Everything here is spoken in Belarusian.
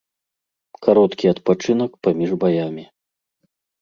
Кароткі адпачынак паміж баямі.